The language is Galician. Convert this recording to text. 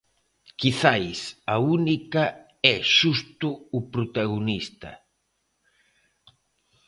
Quizais a única é xusto o protagonista.